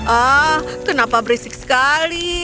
ah kenapa berisik sekali